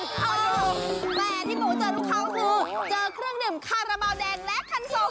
แต่ที่บอกว่าเจอลูกเขาคือเจอเครื่องดื่มคาราบาลแดงและคันโซคุณสอง